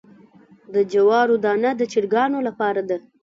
د جوارو دانه د چرګانو لپاره ده.